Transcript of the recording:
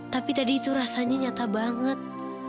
tapi tadi itu rasanya nyata banget